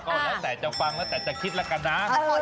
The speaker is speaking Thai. ก็แล้วแต่จะฟังแล้วแต่จะคิดผมพูดเมื่อก่อนนะ